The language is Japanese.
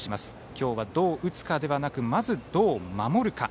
今日は、どう打つかではなくまず、どう守るか。